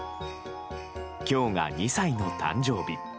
今日が２歳の誕生日。